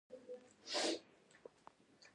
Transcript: رومیان د سحري لپاره هم کارېږي